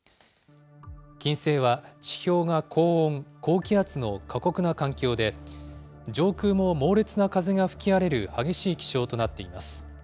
金星は地表が高温・高気圧の過酷な環境で、上空も猛烈な風が吹き荒れる激しい気象となっています。